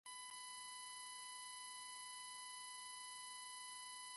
Este concepto está estrechamente ligado al de convergencia.